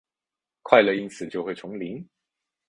快乐因此就会重临？